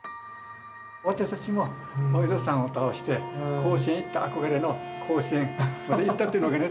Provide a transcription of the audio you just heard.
私たちも大淀さんを倒して甲子園行った憧れの甲子園まで行ったっていうのがね